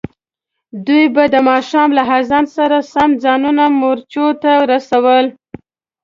دوی به د ماښام له اذان سره سم ځانونه مورچو ته رسول.